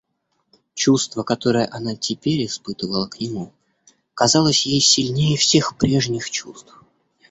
Чувство, которое она теперь испытывала к нему, казалось ей сильнее всех прежних чувств.